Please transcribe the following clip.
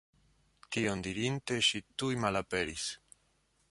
Tion dirinte ŝi tuj malaperis.